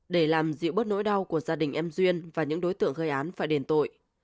để làm dịu bớt nỗi đau của gia đình em duyên và những đối tượng gây án phải đền tội